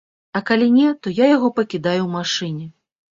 А калі не, то я яго пакідаю ў машыне.